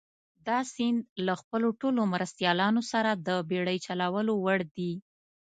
دا سیند له خپلو ټولو مرستیالانو سره د بېړۍ چلولو وړ دي.